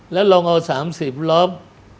แล้วเราเอา๓๐รอบ๒๕๓๕